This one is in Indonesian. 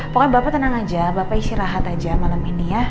pokoknya bapak tenang aja bapak istirahat aja malam ini ya